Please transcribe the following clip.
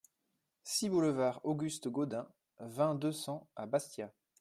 six boulevard Auguste Gaudin, vingt, deux cents à Bastia